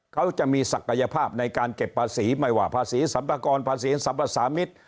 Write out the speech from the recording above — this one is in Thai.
เขาจะมีศักยภาพในการเก็บภาษีไม่ว่าภาษีสรรพากรภาษีสรรพสามิตร